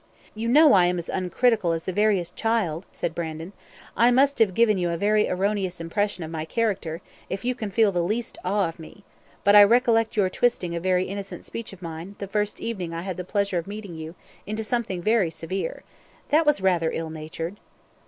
"You know I am as uncritical as the veriest child," said Brandon. "I must have given you a very erroneous impression of my character, if you can feel the least awe of me; but I recollect your twisting a very innocent speech of mine, the first evening I had the pleasure of meeting you, into something very severe. That was rather ill natured."